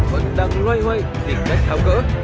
vẫn đang loay hoay tỉnh cách tháo cỡ